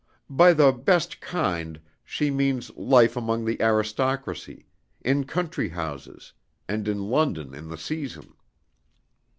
By the 'best kind,' she means life among the aristocracy, in country houses, and in London in the season.